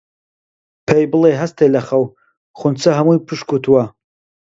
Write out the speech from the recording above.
پێی بڵێ هەستێ لە خەو، خونچە هەموو پشکووتووە